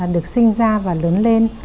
được sinh ra và lớn lên